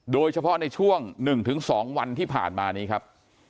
โดยเฉพาะในช่วง๑๒วันที่ผ่านมานี้ครับ